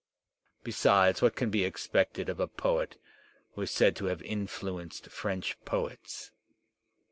Besides, what can be expected of a poet who is said to have influenced French poets?